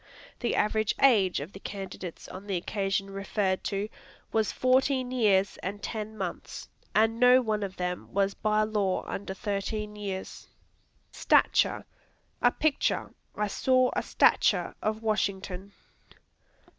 The average age of the candidates, on the occasion referred to, was fourteen years and ten months, and no one of them was by law under thirteen years. Stature A picture; "I saw a stature of Washington."